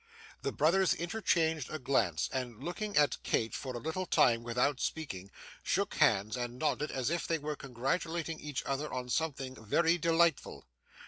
The brothers interchanged a glance, and looking at Kate for a little time without speaking, shook hands, and nodded as if they were congratulating each other on something very delightful.